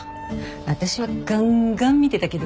私はガンガン見てたけどね。